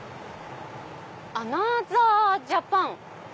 「アナザー・ジャパン」。